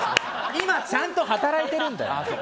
今ちゃんと働いてるんだよ。